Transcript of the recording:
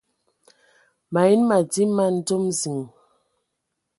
Mayi nə madi man dzom ziŋ.